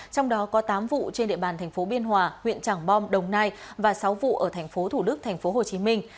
trong đó có tám vụ trên địa bàn tp biên hòa huyện trảng bom đồng nai và sáu vụ ở tp thủ đức tp hồ chí minh